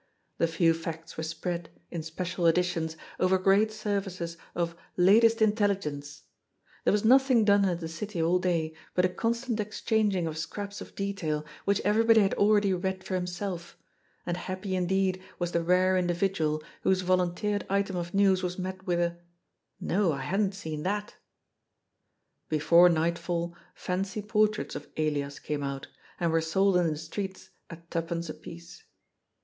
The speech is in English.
The few facts were spread, in special editions, over great surfaces of '^latest intelli gence "; there was nothing done in the city all day but a constant exchanging of scraps of detail which everybody had already read for himself, and happy indeed was the rare individual whose volunteered item of news was met with a " No, I hadn't seen that." Before nightfall fancy portraits of Elias came out, and were sold in the streets at twopence a piece.